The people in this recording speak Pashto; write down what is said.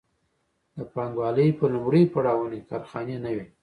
د پانګوالۍ په لومړیو پړاوونو کې کارخانې نه وې.